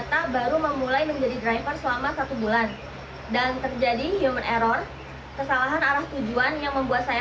saya belum terlalu memahami aplikasi grab ini juga buat pelajaran saya